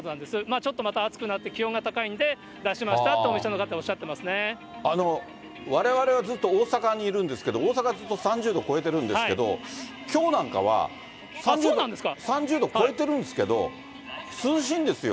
ちょっとまた暑くなって、気温が高いんで、出しましたってお店のわれわれはずっと大阪にいるんですけど、大阪ずっと３０度超えてるんですけど、きょうなんかは３０度超えてるんですけど、涼しいんですよ。